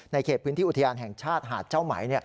เขตพื้นที่อุทยานแห่งชาติหาดเจ้าไหม